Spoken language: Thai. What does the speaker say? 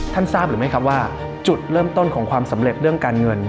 ทราบหรือไม่ครับว่าจุดเริ่มต้นของความสำเร็จเรื่องการเงิน